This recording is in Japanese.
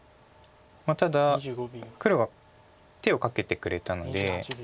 ただ黒が手をかけてくれたので。